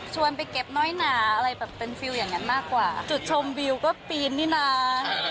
ไปเก็บน้อยหนาอะไรแบบเป็นฟิลอย่างนั้นมากกว่าจุดชมวิวก็ปีนนี่นะ